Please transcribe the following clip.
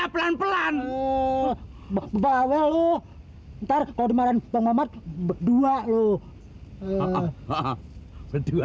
pelan pelan pelan pelan bawa lo ntar kalau dimarahi penghormat berdua lo hahaha berdua ya